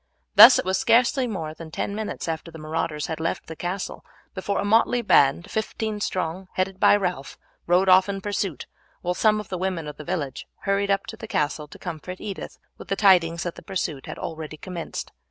Thus it was scarcely more than ten minutes after the marauders had left the castle before a motley band, fifteen strong, headed by Ralph, rode off in pursuit, while some of the women of the village hurried up to the castle to comfort Edith with the tidings that the pursuit had already commenced.